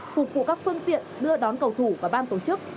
phục vụ các phương tiện đưa đón cầu thủ và ban tổ chức